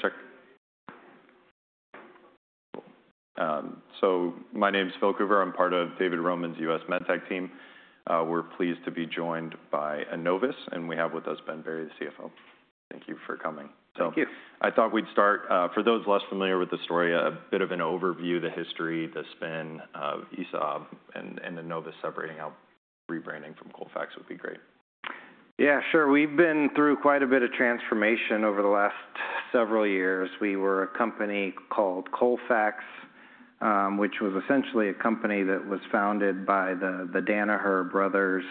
Check, check. So my name's Phil Cooper. I'm part of David Roman's U.S. med tech team. We're pleased to be joined by Enovis, and we have with us Ben Berry, the CFO. Thank you for coming. Thank you. I thought we'd start, for those less familiar with the story, a bit of an overview, the history, the spin of ESAB and Enovis separating out, rebranding from Colfax would be great. Yeah, sure. We've been through quite a bit of transformation over the last several years. We were a company called Colfax, which was essentially a company that was founded by the Danaher brothers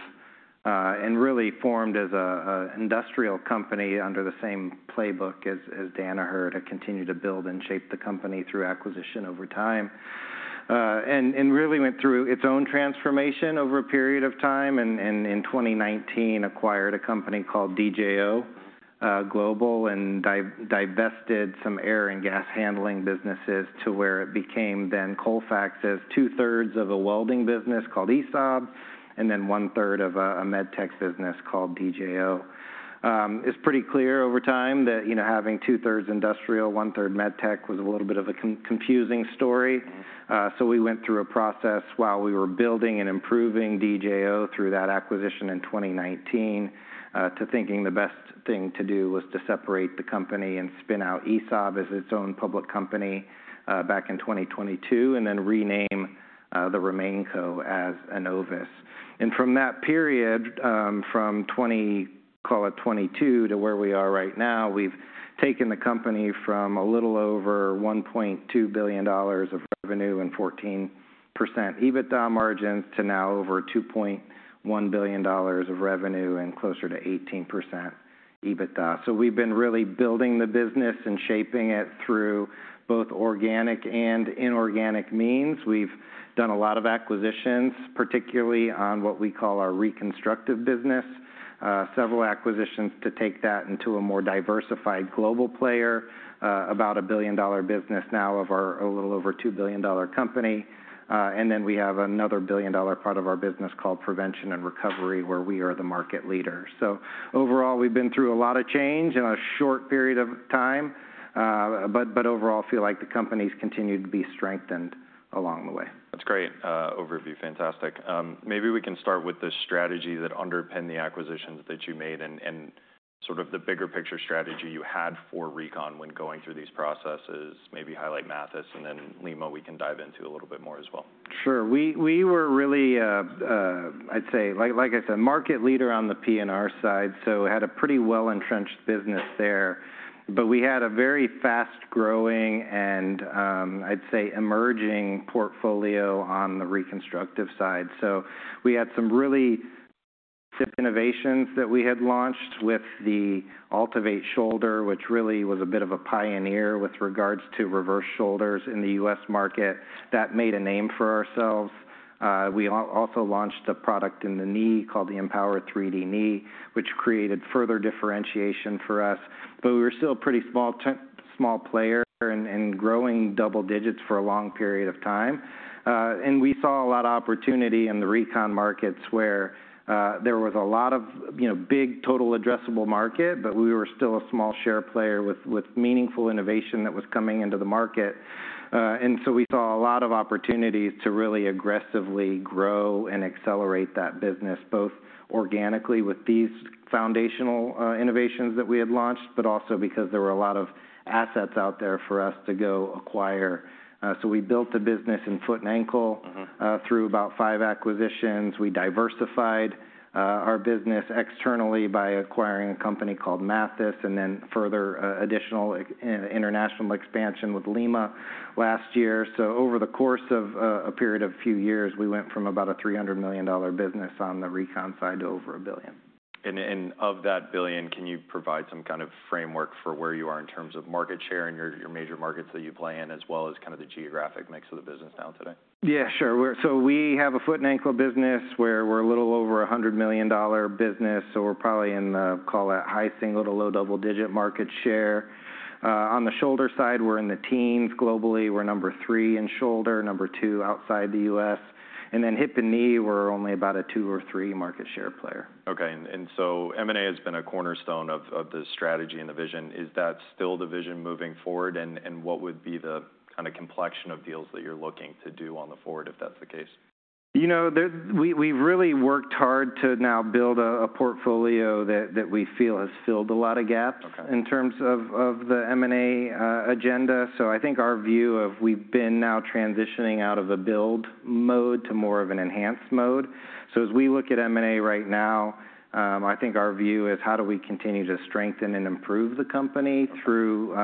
and really formed as an industrial company under the same playbook as Danaher to continue to build and shape the company through acquisition over time. Really went through its own transformation over a period of time and in 2019 acquired a company called DJO Global and divested some air and gas handling businesses to where it became then Colfax, as two-thirds of a welding business called ESAB and then one-third of a med tech business called DJO. It's pretty clear over time that having two-thirds industrial, one-third med tech was a little bit of a confusing story. We went through a process while we were building and improving DJO through that acquisition in 2019 to thinking the best thing to do was to separate the company and spin out ESAB as its own public company back in 2022 and then rename the remaining co as Enovis. From that period, from call it 2022 to where we are right now, we have taken the company from a little over $1.2 billion of revenue and 14% EBITDA margins to now over $2.1 billion of revenue and closer to 18% EBITDA. We have been really building the business and shaping it through both organic and inorganic means. We have done a lot of acquisitions, particularly on what we call our reconstructive business, several acquisitions to take that into a more diversified global player, about a billion-dollar business, now a little over $2 billion company. We have another billion-dollar part of our business called Prevention and Recovery where we are the market leader. Overall, we've been through a lot of change in a short period of time, but overall feel like the company's continued to be strengthened along the way. That's great overview. Fantastic. Maybe we can start with the strategy that underpinned the acquisitions that you made and sort of the bigger picture strategy you had for recon when going through these processes. Maybe highlight Mathys and then Lima, we can dive into a little bit more as well. Sure. We were really, I'd say, like I said, market leader on the P&R side, so had a pretty well-entrenched business there. We had a very fast-growing and I'd say emerging portfolio on the reconstructive side. We had some really innovations that we had launched with the AltiVate shoulder, which really was a bit of a pioneer with regards to reverse shoulders in the U.S. market that made a name for ourselves. We also launched a product in the knee called the EMPOWR 3D Knee, which created further differentiation for us. We were still a pretty small player and growing double digits for a long period of time. We saw a lot of opportunity in the recon markets where there was a lot of big total addressable market, but we were still a small share player with meaningful innovation that was coming into the market. We saw a lot of opportunities to really aggressively grow and accelerate that business both organically with these foundational innovations that we had launched, but also because there were a lot of assets out there for us to go acquire. We built the business in foot and ankle through about five acquisitions. We diversified our business externally by acquiring a company called Mathys and then further additional international expansion with Lima last year. Over the course of a period of a few years, we went from about a $300 million business on the recon side to over $1 billion. Of that billion, can you provide some kind of framework for where you are in terms of market share and your major markets that you play in as well as kind of the geographic mix of the business now today? Yeah, sure. So we have a foot-and-ankle business where we're a little over a $100-million business. So we're probably in the call that high single to low-double-digit market share. On the shoulder side, we're in the teens globally. We're number three in shoulder, number two outside the U.S., and then hip and knee, we're only about a two or three market share player. Okay. M&A has been a cornerstone of the strategy and the vision. Is that still the vision moving forward? What would be the kind of complexion of deals that you're looking to do on the forward if that's the case? You know, we've really worked hard to now build a portfolio that we feel has filled a lot of gaps in terms of the M&A agenda. I think our view of we've been now transitioning out of a build mode to more of an enhanced mode. As we look at M&A right now, I think our view is how do we continue to strengthen and improve the company through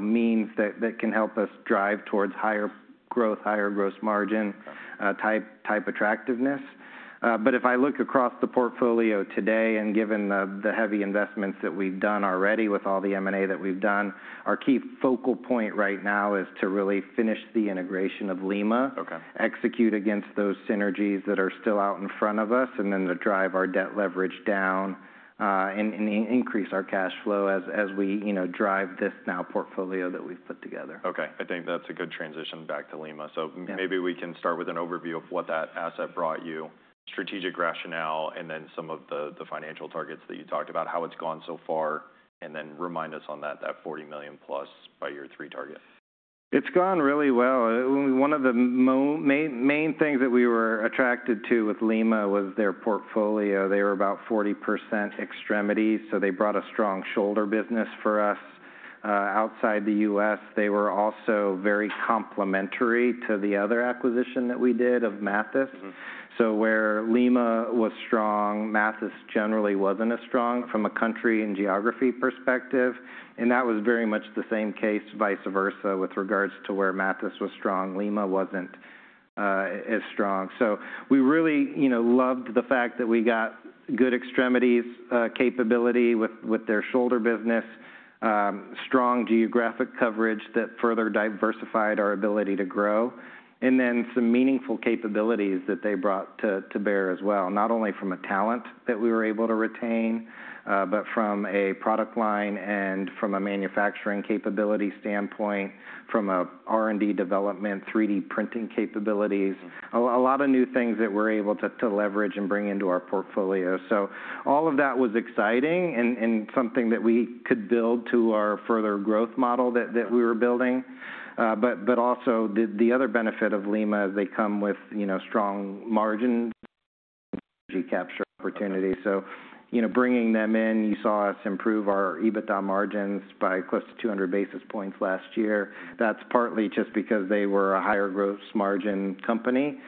means that can help us drive towards higher-growth, higher-gross-margin-type attractiveness. If I look across the portfolio today and given the heavy investments that we've done already with all the M&A that we've done, our key focal point right now is to really finish the integration of Lima, execute against those synergies that are still out in front of us, and then to drive our debt leverage down and increase our cash flow as we drive this now portfolio that we've put together. Okay. I think that's a good transition back to Lima. Maybe we can start with an overview of what that asset brought you, strategic rationale, and then some of the financial targets that you talked about, how it's gone so far, and then remind us on that $40 million-plus by year three target. It's gone really well. One of the main things that we were attracted to with Lima was their portfolio. They were about 40% extremity. So they brought a strong shoulder business for us outside the U.S. They were also very complementary to the other acquisition that we did of Mathys. Where Lima was strong, Mathys generally was not as strong from a country and geography perspective. That was very much the same case vice versa with regards to where Mathys was strong, Lima was not as strong. We really loved the fact that we got good extremities capability with their shoulder business, strong geographic coverage that further diversified our ability to grow, and then some meaningful capabilities that they brought to bear as well, not only from a talent that we were able to retain, but from a product line and from a manufacturing capability standpoint, from an R&D development, 3D printing capabilities, a lot of new things that we're able to leverage and bring into our portfolio. All of that was exciting and something that we could build to our further growth model that we were building. Also, the other benefit of Lima is they come with strong margins, energy capture opportunity. Bringing them in, you saw us improve our EBITDA margins by close to 200 basis points last year. That's partly just because they were a higher-gross-margin company.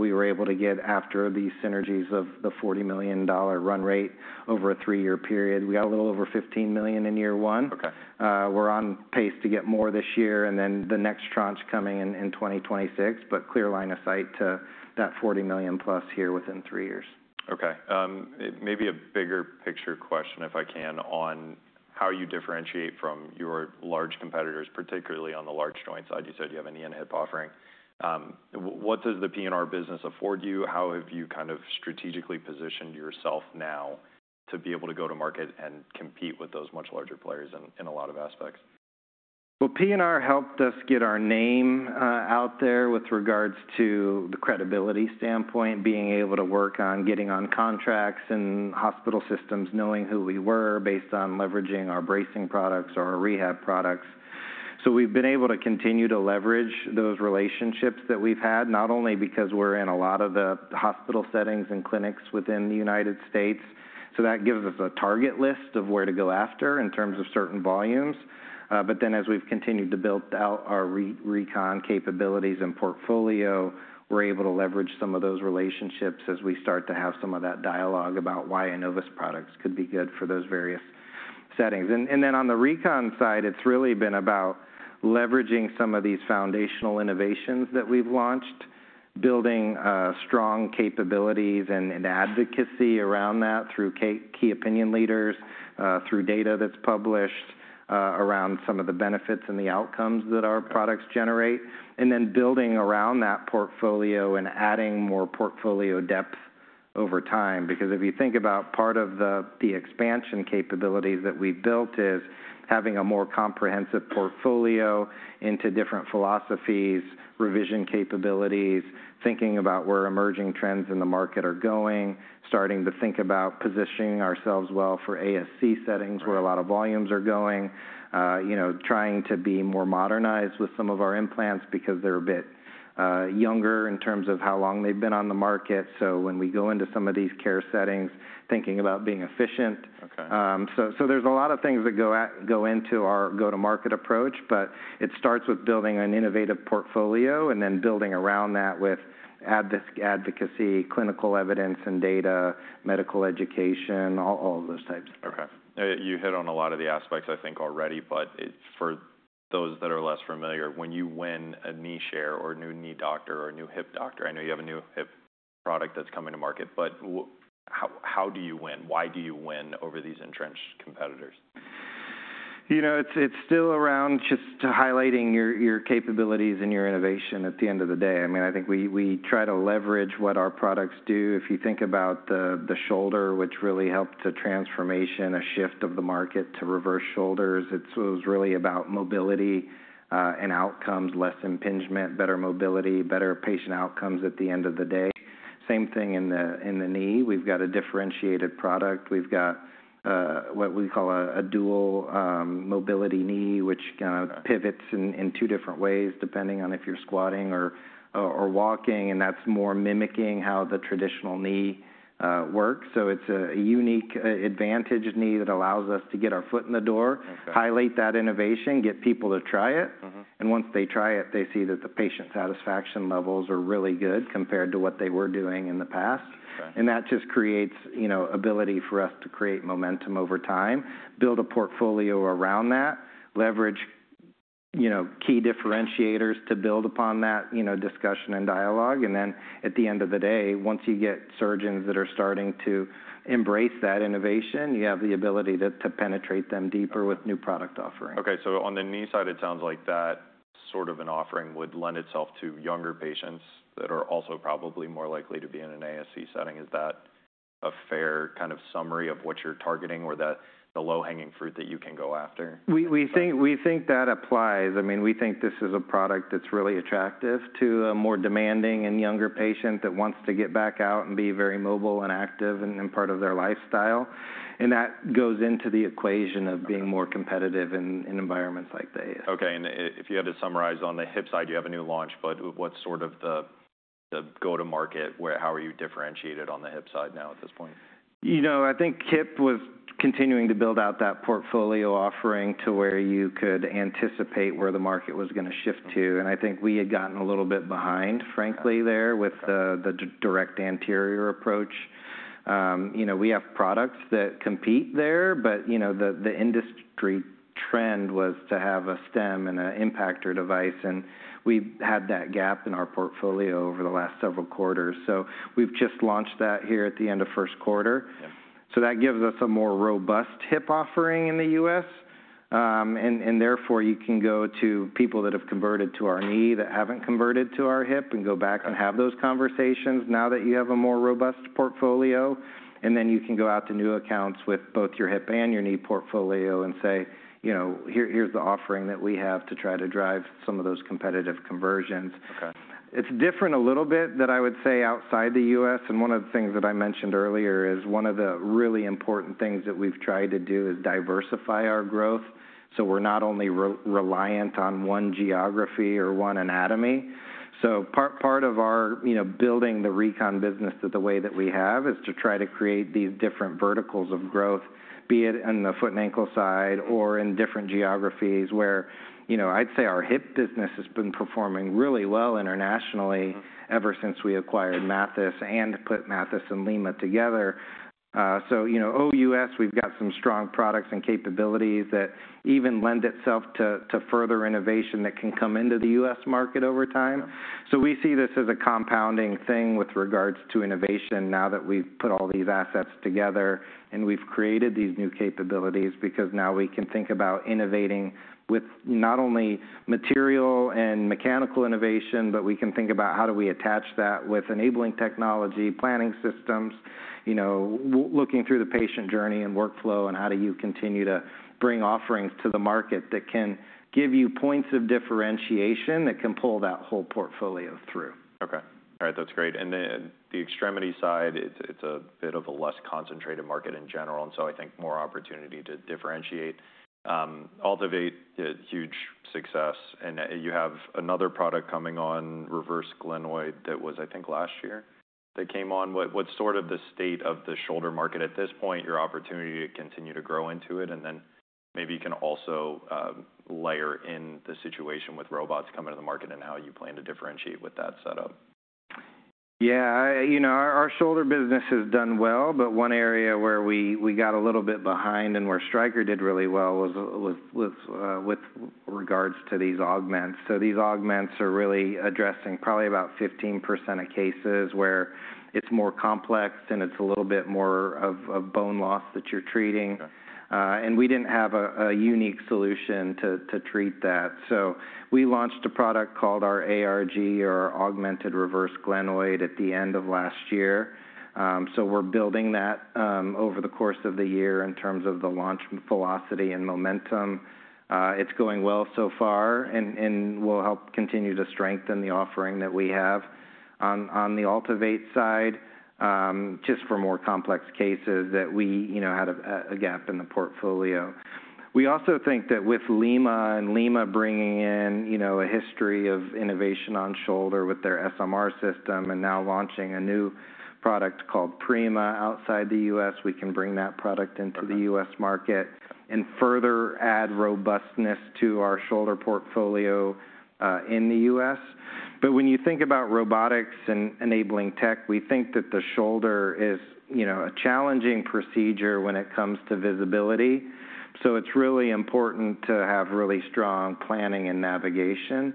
We were able to get after these synergies of the $40-million run rate over a three-year period, we got a little over $15 million in year one. We're on pace to get more this year and then the next tranche coming in 2026, but clear line of sight to that $40 million plus here within three years. Okay. Maybe a bigger picture question if I can on how you differentiate from your large competitors, particularly on the large joint side. You said you have an in-hip offering. What does the P&R business afford you? How have you kind of strategically positioned yourself now to be able to go to market and compete with those much larger players in a lot of aspects? P&R helped us get our name out there with regards to the credibility standpoint, being able to work on getting on contracts in hospital systems, knowing who we were based on leveraging our bracing products or our rehab products. We have been able to continue to leverage those relationships that we have had, not only because we are in a lot of the hospital settings and clinics within the United States. That gives us a target list of where to go after in terms of certain volumes. As we have continued to build out our recon capabilities and portfolio, we are able to leverage some of those relationships as we start to have some of that dialogue about why Enovis products could be good for those various settings. On the recon side, it's really been about leveraging some of these foundational innovations that we've launched, building strong capabilities and advocacy around that through key opinion leaders, through data that's published around some of the benefits and the outcomes that our products generate, and then building around that portfolio and adding more portfolio depth over time. If you think about part of the expansion capabilities that we've built, it is having a more comprehensive portfolio into different philosophies, revision capabilities, thinking about where emerging trends in the market are going, starting to think about positioning ourselves well for ASC settings where a lot of volumes are going, trying to be more modernized with some of our implants because they're a bit younger in terms of how long they've been on the market. When we go into some of these care settings, thinking about being efficient. There's a lot of things that go into our go-to-market approach, but it starts with building an innovative portfolio and then building around that with advocacy, clinical evidence and data, medical education, all of those types. Okay. You hit on a lot of the aspects I think already, but for those that are less familiar, when you win a knee share or new knee doctor or new hip doctor, I know you have a new hip product that's coming to market, but how do you win? Why do you win over these entrenched competitors? You know, it's still around just highlighting your capabilities and your innovation at the end of the day. I mean, I think we try to leverage what our products do. If you think about the shoulder, which really helped to transformation, a shift of the market to reverse shoulders, it was really about mobility and outcomes, less impingement, better mobility, better patient outcomes at the end of the day. Same thing in the knee. We've got a differentiated product. We've got what we call a Dual Mobility knee, which kind of pivots in two different ways depending on if you're squatting or walking, and that's more mimicking how the traditional knee works. It is a unique advantage knee that allows us to get our foot in the door, highlight that innovation, get people to try it. Once they try it, they see that the patient satisfaction levels are really good compared to what they were doing in the past. That just creates ability for us to create momentum over time, build a portfolio around that, leverage key differentiators to build upon that discussion and dialogue. At the end of the day, once you get surgeons that are starting to embrace that innovation, you have the ability to penetrate them deeper with new product offerings. Okay. On the knee side, it sounds like that sort of an offering would lend itself to younger patients that are also probably more likely to be in an ASC setting. Is that a fair kind of summary of what you're targeting or the low-hanging fruit that you can go after? We think that applies. I mean, we think this is a product that's really attractive to a more demanding and younger patient that wants to get back out and be very mobile and active and part of their lifestyle. That goes into the equation of being more competitive in environments like the ASC. Okay. If you had to summarize on the hip side, you have a new launch, but what's sort of the go-to-market? How are you differentiated on the hip side now at this point? You know, I think hip was continuing to build out that portfolio offering to where you could anticipate where the market was going to shift to. I think we had gotten a little bit behind, frankly, there with the direct anterior approach. We have products that compete there, but the industry trend was to have a stem and an impactor device. We had that gap in our portfolio over the last several quarters. We have just launched that here at the end of first quarter. That gives us a more robust hip offering in the U.S. Therefore, you can go to people that have converted to our knee that have not converted to our hip and go back and have those conversations now that you have a more robust portfolio. You can go out to new accounts with both your hip and your knee portfolio and say, "Here's the offering that we have to try to drive some of those competitive conversions." It is different a little bit that I would say outside the U.S. One of the things that I mentioned earlier is one of the really important things that we've tried to do is diversify our growth. We are not only reliant on one geography or one anatomy. Part of our building the recon business the way that we have is to try to create these different verticals of growth, be it in the foot and ankle side or in different geographies where I'd say our hip business has been performing really well internationally ever since we acquired Mathys and put Mathys and Lima together. O.U.S. we've got some strong products and capabilities that even lend itself to further innovation that can come into the U.S. market over time. We see this as a compounding thing with regards to innovation now that we've put all these assets together and we've created these new capabilities because now we can think about innovating with not only material and mechanical innovation, but we can think about how do we attach that with enabling technology, planning systems, looking through the patient journey and workflow, and how do you continue to bring offerings to the market that can give you points of differentiation that can pull that whole portfolio through. Okay. All right. That's great. The extremity side, it's a bit of a less concentrated market in general. I think more opportunity to differentiate, all the huge success. You have another product coming on, Reverse Glenoid that was, I think, last year that came on. What's sort of the state of the shoulder market at this point, your opportunity to continue to grow into it? Maybe you can also layer in the situation with robots coming to the market and how you plan to differentiate with that setup. Yeah. Our shoulder business has done well, but one area where we got a little bit behind and where Stryker did really well was with regards to these augments. These augments are really addressing probably about 15% of cases where it's more complex and it's a little bit more of bone loss that you're treating. We didn't have a unique solution to treat that. We launched a product called our ARG or augmented reverse glenoid at the end of last year. We're building that over the course of the year in terms of the launch velocity and momentum. It's going well so far and will help continue to strengthen the offering that we have on the AltiVate side just for more complex cases that we had a gap in the portfolio. We also think that with Lima and Lima bringing in a history of innovation on shoulder with their SMR system and now launching a new product called Prima outside the U.S., we can bring that product into the U.S. market and further add robustness to our shoulder portfolio in the U.S. When you think about robotics-enabling tech, we think that the shoulder is a challenging procedure when it comes to visibility. It is really important to have really strong planning and navigation.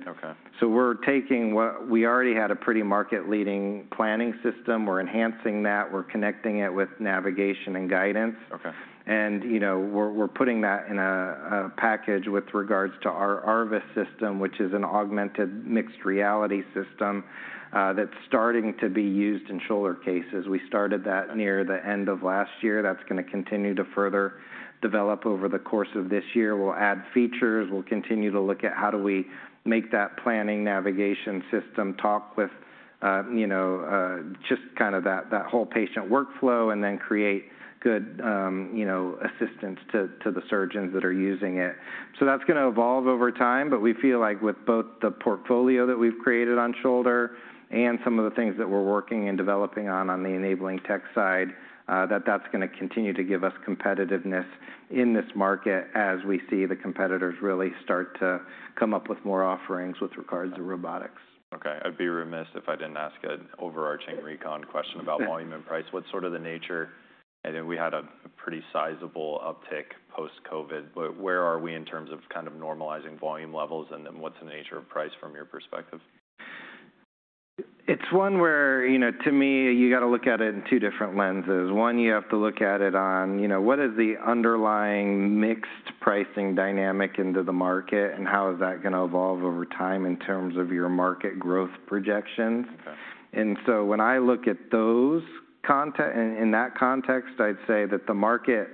We are taking what we already had, a pretty market-leading planning system. We are enhancing that. We are connecting it with navigation and guidance. We are putting that in a package with regards to our Arvis system, which is an augmented mixed reality system that is starting to be used in shoulder cases. We started that near the end of last year. That's going to continue to further develop over the course of this year. We'll add features. We'll continue to look at how do we make that planning navigation system talk with just kind of that whole patient workflow and then create good assistance to the surgeons that are using it. That's going to evolve over time, but we feel like with both the portfolio that we've created on shoulder and some of the things that we're working and developing on the enabling tech side, that's going to continue to give us competitiveness in this market as we see the competitors really start to come up with more offerings with regards to robotics. Okay. I'd be remiss if I didn't ask an overarching recon question about volume and price. What's sort of the nature? I think we had a pretty sizable uptick post-COVID. Where are we in terms of kind of normalizing volume levels and what's the nature of price from your perspective? It's one where, to me, you got to look at it in two different lenses. One, you have to look at it on what is the underlying mixed pricing dynamic into the market and how is that going to evolve over time in terms of your market growth projections. When I look at those in that context, I'd say that the market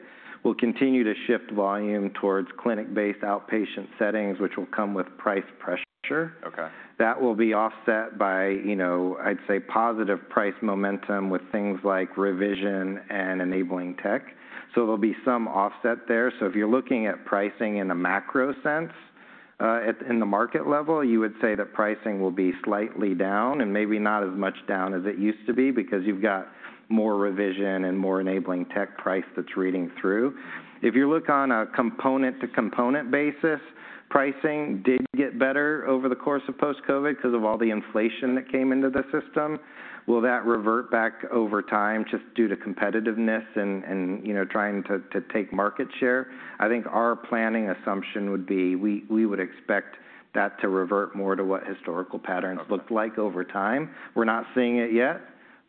will continue to shift volume towards clinic-based outpatient settings, which will come with price pressure. That will be offset by, I'd say, positive price momentum with things like revision and enabling tech. There'll be some offset there. If you're looking at pricing in a macro sense in the market level, you would say that pricing will be slightly down and maybe not as much down as it used to be because you've got more revision and more enabling tech price that's reading through. If you look on a component-to-component basis, pricing did get better over the course of post-COVID because of all the inflation that came into the system. Will that revert back over time just due to competitiveness and trying to take market share? I think our planning assumption would be we would expect that to revert more to what historical patterns looked like over time. We're not seeing it yet,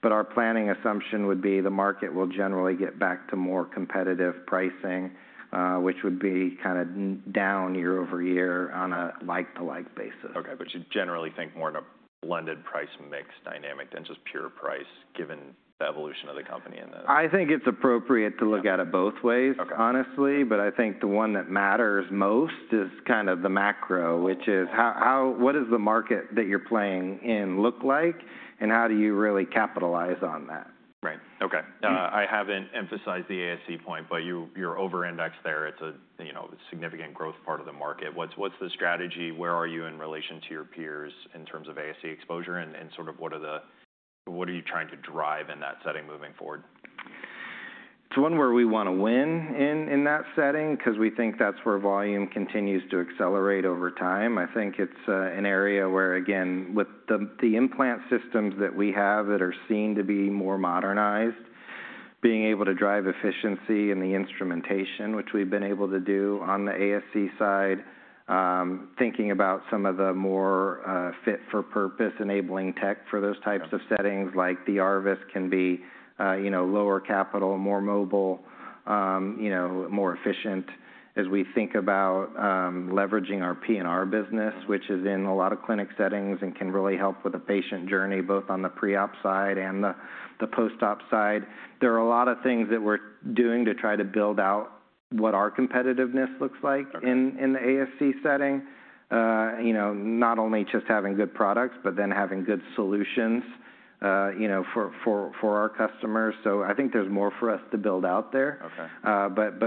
but our planning assumption would be the market will generally get back to more competitive pricing, which would be kind of down year-over-year on a like-to-like basis. Okay. But you generally think more in a blended price mix dynamic than just pure price given the evolution of the company in that. I think it's appropriate to look at it both ways, honestly, but I think the one that matters most is kind of the macro, which is what does the market that you're playing in look like and how do you really capitalize on that? Right. Okay. I haven't emphasized the ASC point, but you're over-indexed there. It's a significant growth part of the market. What's the strategy? Where are you in relation to your peers in terms of ASC exposure and sort of what are you trying to drive in that setting moving forward? It's one where we want to win in that setting because we think that's where volume continues to accelerate over time. I think it's an area where, again, with the implant systems that we have that are seen to be more modernized, being able to drive efficiency in the instrumentation, which we've been able to do on the ASC side, thinking about some of the more fit-for-purpose enabling tech for those types of settings like the Arvis can be lower capital, more mobile, more efficient as we think about leveraging our P&R business, which is in a lot of clinic settings and can really help with the patient journey both on the pre-op side and the post-op side. There are a lot of things that we're doing to try to build out what our competitiveness looks like in the ASC setting, not only just having good products, but then having good solutions for our customers. I think there's more for us to build out there.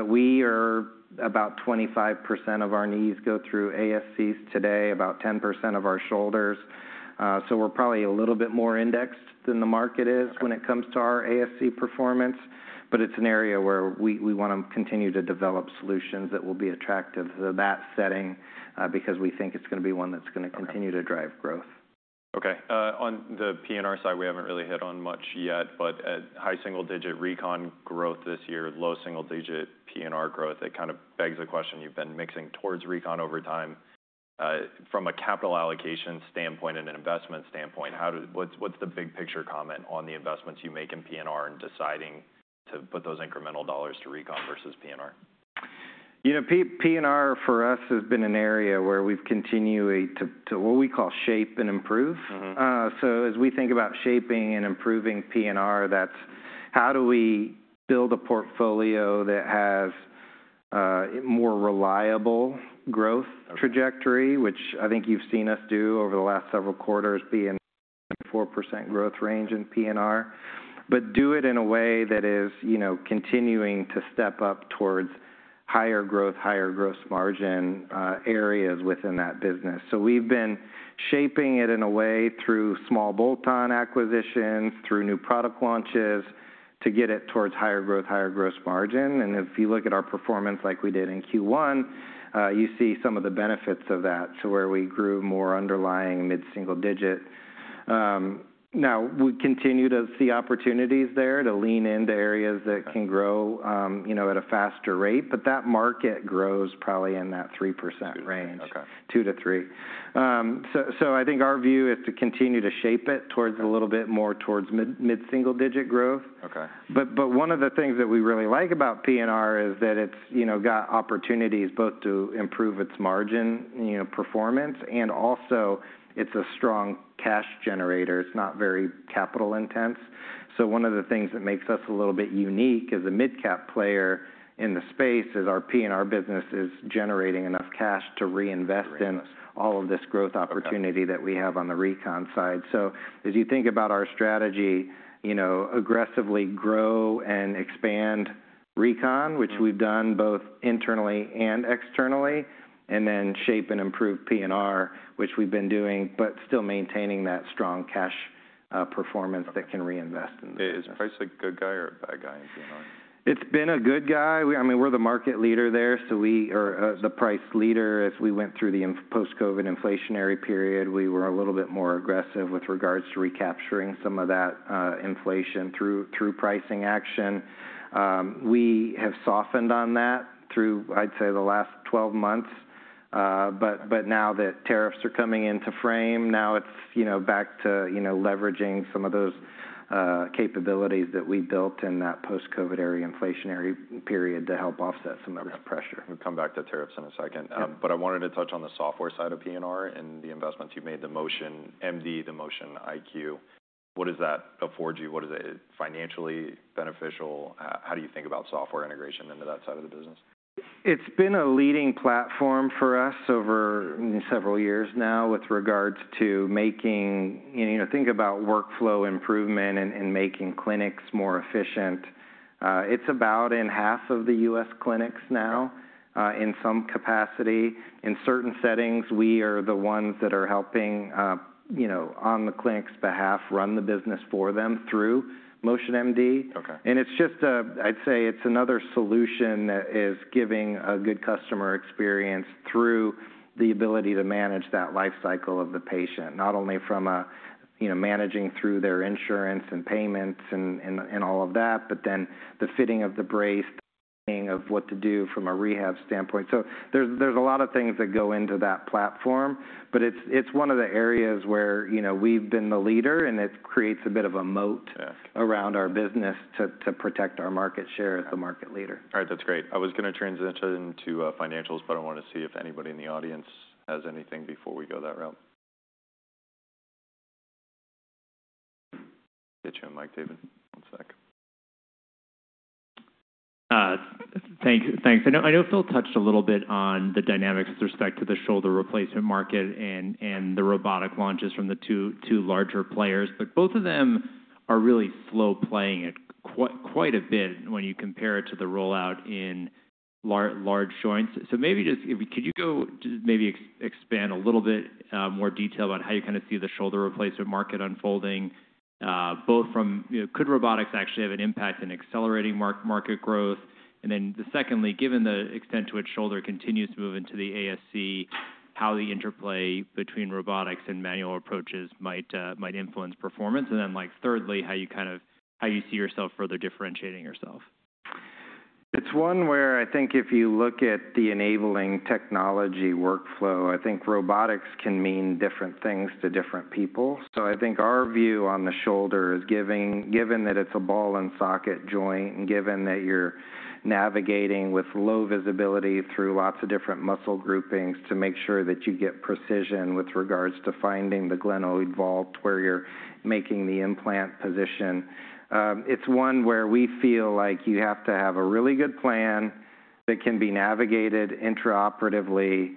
We are about 25% of our knees go through ASCs today, about 10% of our shoulders. We're probably a little bit more indexed than the market is when it comes to our ASC performance, but it's an area where we want to continue to develop solutions that will be attractive to that setting because we think it's going to be one that's going to continue to drive growth. Okay. On the P&R side, we haven't really hit on much yet, but high single-digit recon growth this year, low single-digit P&R growth. It kind of begs the question. You've been mixing towards recon over time. From a capital allocation standpoint and an investment standpoint, what's the big picture comment on the investments you make in P&R and deciding to put those incremental dollars to recon versus P&R? You know, P&R for us has been an area where we've continued to what we call shape and improve. As we think about shaping and improving P&R, that's how do we build a portfolio that has more reliable growth trajectory, which I think you've seen us do over the last several quarters being in the 4% growth range in P&R, but do it in a way that is continuing to step up towards higher growth, higher gross margin areas within that business. We've been shaping it in a way through small bolt-on acquisitions, through new product launches to get it towards higher growth, higher gross margin. If you look at our performance like we did in Q1, you see some of the benefits of that to where we grew more underlying mid-single digit. Now, we continue to see opportunities there to lean into areas that can grow at a faster rate, but that market grows probably in that 3% range, 2%-3%. I think our view is to continue to shape it towards a little bit more towards mid-single digit growth. One of the things that we really like about P&R is that it's got opportunities both to improve its margin performance and also it's a strong cash generator. It's not very capital intense. One of the things that makes us a little bit unique as a mid-cap player in the space is our P&R business is generating enough cash to reinvest in all of this growth opportunity that we have on the recon side. As you think about our strategy, aggressively grow and expand recon, which we've done both internally and externally, and then shape and improve P&R, which we've been doing, but still maintaining that strong cash performance that can reinvest in the business. Is price a good guy or a bad guy in P&R? It's been a good guy. I mean, we're the market leader there. So we are the price leader. As we went through the post-COVID inflationary period, we were a little bit more aggressive with regards to recapturing some of that inflation through pricing action. We have softened on that through, I'd say, the last 12 months. Now that tariffs are coming into frame, now it's back to leveraging some of those capabilities that we built in that post-COVID area inflationary period to help offset some of that pressure. We'll come back to tariffs in a second. I wanted to touch on the software side of P&R and the investments you've made, the MotionMD, the Motion iQ. What does that afford you? Is it financially beneficial? How do you think about software integration into that side of the business? It's been a leading platform for us over several years now with regards to making, think about workflow improvement and making clinics more efficient. It's about in half of the U.S. clinics now in some capacity. In certain settings, we are the ones that are helping on the clinic's behalf run the business for them through MotionMD. It's just, I'd say it's another solution that is giving a good customer experience through the ability to manage that lifecycle of the patient, not only from managing through their insurance and payments and all of that, but then the fitting of the brace of what to do from a rehab standpoint. There's a lot of things that go into that platform, but it's one of the areas where we've been the leader and it creates a bit of a moat around our business to protect our market share as the market leader. All right. That's great. I was going to transition into financials, but I want to see if anybody in the audience has anything before we go that route. Get you on mic, David. One sec. Thanks. I know you also touched a little bit on the dynamics with respect to the shoulder replacement market and the robotic launches from the two larger players, but both of them are really slow playing it quite a bit when you compare it to the rollout in large joints. Maybe just could you go maybe expand a little bit more detail about how you kind of see the shoulder replacement market unfolding, both from could robotics actually have an impact in accelerating market growth? Secondly, given the extent to which shoulder continues to move into the ASC, how the interplay between robotics and manual approaches might influence performance? Thirdly, how you kind of how you see yourself further differentiating yourself. It's one where I think if you look at the enabling technology workflow, I think robotics can mean different things to different people. I think our view on the shoulder is given that it's a ball and socket joint and given that you're navigating with low visibility through lots of different muscle groupings to make sure that you get precision with regards to finding the glenoid vault where you're making the implant position. It's one where we feel like you have to have a really good plan that can be navigated intraoperatively.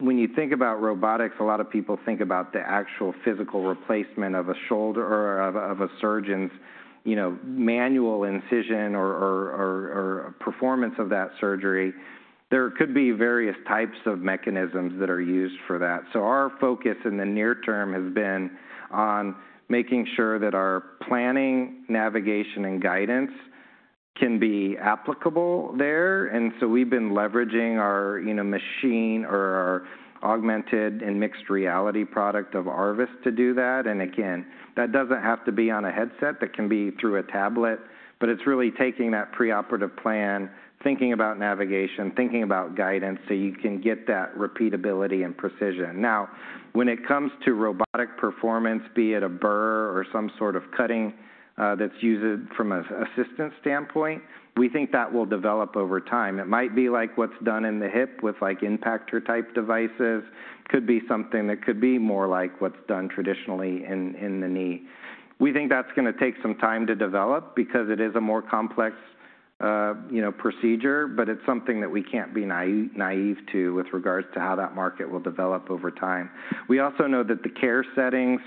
When you think about robotics, a lot of people think about the actual physical replacement of a shoulder or of a surgeon's manual incision or performance of that surgery. There could be various types of mechanisms that are used for that. Our focus in the near term has been on making sure that our planning, navigation, and guidance can be applicable there. We have been leveraging our machine or our augmented and mixed reality product of Arvis to do that. Again, that does not have to be on a headset. That can be through a tablet, but it is really taking that preoperative plan, thinking about navigation, thinking about guidance so you can get that repeatability and precision. Now, when it comes to robotic performance, be it a burr or some sort of cutting that is used from an assistant standpoint, we think that will develop over time. It might be like what is done in the hip with impactor-type devices. It could be something that could be more like what is done traditionally in the knee. We think that's going to take some time to develop because it is a more complex procedure, but it's something that we can't be naive to with regards to how that market will develop over time. We also know that the care settings,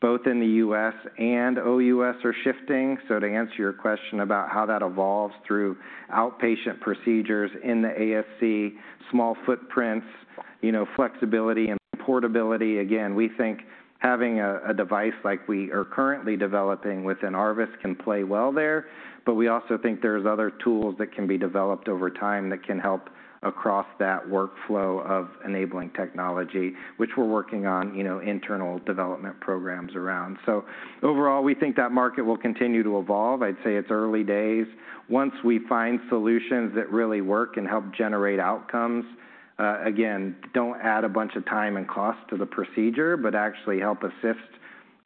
both in the U.S. and O.U.S., are shifting. To answer your question about how that evolves through outpatient procedures in the ASC, small footprints, flexibility, and portability, again, we think having a device like we are currently developing within Arvis can play well there, but we also think there's other tools that can be developed over time that can help across that workflow of enabling technology, which we're working on internal development programs around. Overall, we think that market will continue to evolve. I'd say it's early days. Once we find solutions that really work and help generate outcomes, again, do not add a bunch of time and cost to the procedure, but actually help assist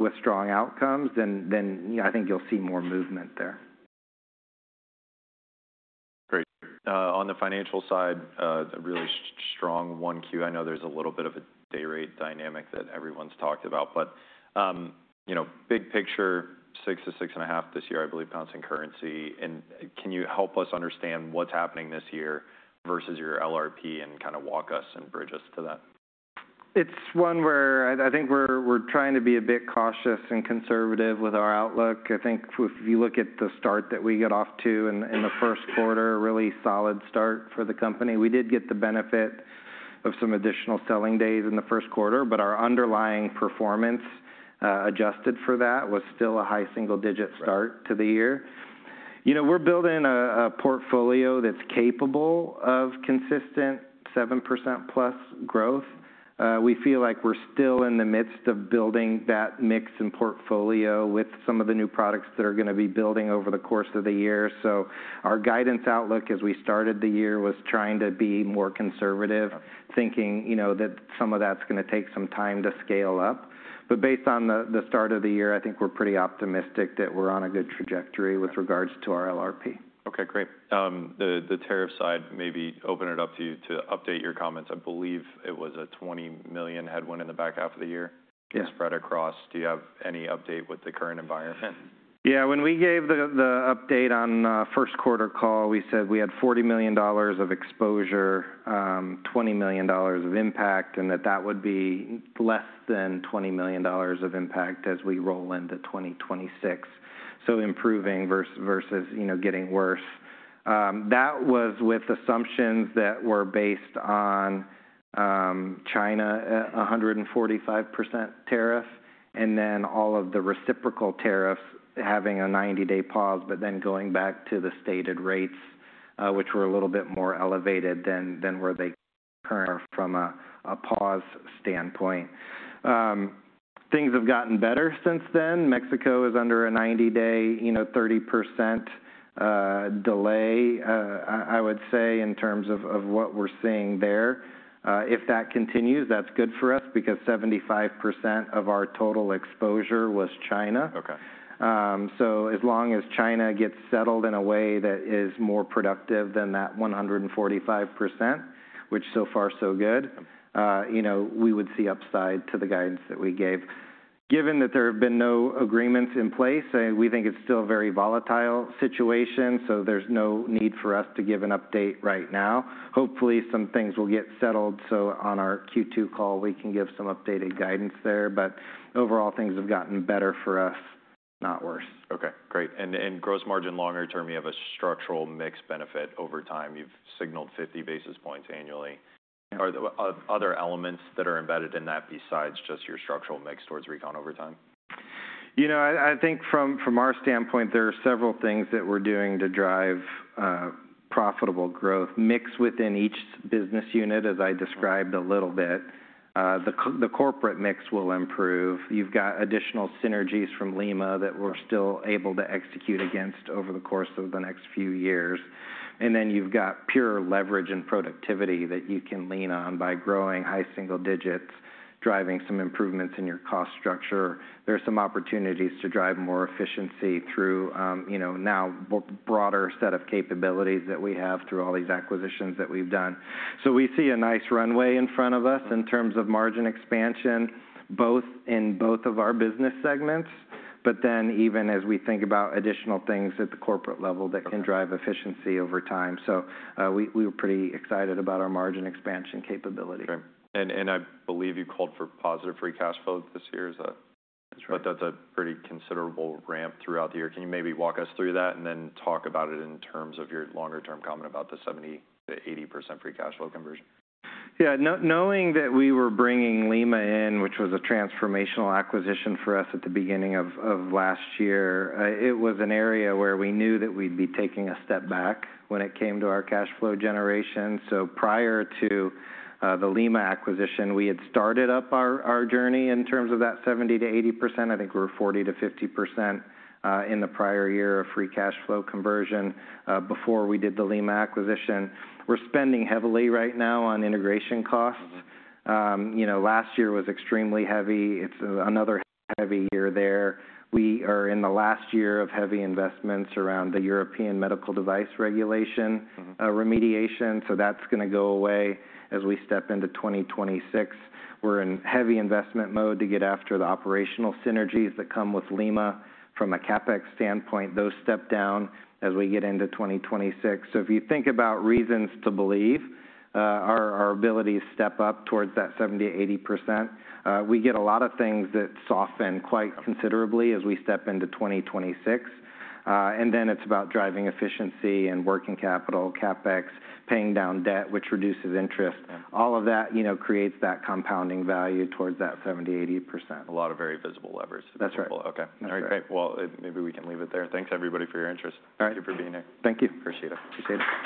with strong outcomes, then I think you'll see more movement there. Great. On the financial side, a really strong 1Q. I know there's a little bit of a day rate dynamic that everyone's talked about, but big picture, 6%-6.5% this year, I believe, constant currency. Can you help us understand what's happening this year versus your LRP and kind of walk us and bridge us to that? It's one where I think we're trying to be a bit cautious and conservative with our outlook. I think if you look at the start that we got off to in the first quarter, a really solid start for the company. We did get the benefit of some additional selling days in the first quarter, but our underlying performance adjusted for that was still a high single-digit start to the year. We're building a portfolio that's capable of consistent 7%+ growth. We feel like we're still in the midst of building that mix and portfolio with some of the new products that are going to be building over the course of the year. Our guidance outlook as we started the year was trying to be more conservative, thinking that some of that's going to take some time to scale up. Based on the start of the year, I think we're pretty optimistic that we're on a good trajectory with regards to our LRP. Okay, great. The tariff side, maybe open it up to you to update your comments. I believe it was a $20-million headwind in the back half of the year. Yes. Spread across. Do you have any update with the current environment? Yeah. When we gave the update on first quarter call, we said we had $40 million of exposure, $20 million of impact, and that that would be less than $20 million of impact as we roll into 2026. So improving versus getting worse. That was with assumptions that were based on China at 145% tariff and then all of the reciprocal tariffs having a 90-day pause, but then going back to the stated rates, which were a little bit more elevated than where they currently are from a pause standpoint. Things have gotten better since then. Mexico is under a 90-day, 30% delay, I would say, in terms of what we're seeing there. If that continues, that's good for us because 75% of our total exposure was China. As long as China gets settled in a way that is more productive than that 145%, which so far so good, we would see upside to the guidance that we gave. Given that there have been no agreements in place, we think it's still a very volatile situation, so there's no need for us to give an update right now. Hopefully, some things will get settled so on our Q2 call, we can give some updated guidance there, but overall, things have gotten better for us, not worse. Okay, great. Gross margin longer term, you have a structural mix benefit over time. You have signaled 50 basis points annually. Are there other elements that are embedded in that besides just your structural mix towards recon over time? You know, I think from our standpoint, there are several things that we're doing to drive profitable growth mix within each business unit, as I described a little bit. The corporate mix will improve. You have additional synergies from Lima that we're still able to execute against over the course of the next few years. You have pure leverage and productivity that you can lean on by growing high single digits, driving some improvements in your cost structure. There are some opportunities to drive more efficiency through now a broader set of capabilities that we have through all these acquisitions that we've done. We see a nice runway in front of us in terms of margin expansion, both in both of our business segments, but then even as we think about additional things at the corporate level that can drive efficiency over time. We were pretty excited about our margin expansion capability. I believe you called for positive free cash flow this year. That is a pretty considerable ramp throughout the year. Can you maybe walk us through that and then talk about it in terms of your longer-term comment about the 70-80% free cash flow conversion? Yeah. Knowing that we were bringing Lima in, which was a transformational acquisition for us at the beginning of last year, it was an area where we knew that we'd be taking a step back when it came to our cash flow generation. Prior to the Lima acquisition, we had started up our journey in terms of that 70-80%. I think we were 40-50% in the prior year of free cash flow conversion before we did the Lima acquisition. We're spending heavily right now on integration costs. Last year was extremely heavy. It's another heavy year there. We are in the last year of heavy investments around the European Medical Device Regulation remediation. That is going to go away as we step into 2026. We're in heavy investment mode to get after the operational synergies that come with Lima from a CapEx standpoint. Those step down as we get into 2026. If you think about reasons to believe our ability to step up towards that 70-80%, we get a lot of things that soften quite considerably as we step into 2026. It is about driving efficiency and working capital, CapEx, paying down debt, which reduces interest. All of that creates that compounding value towards that 70-80%. A lot of very visible levers. That's right. Okay. All right. Great. Maybe we can leave it there. Thanks, everybody, for your interest. Thank you for being here. Thank you. Appreciate it. Appreciate it.